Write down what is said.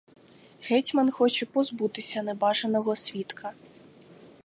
Гетьман хоче позбутися небажаного свідка.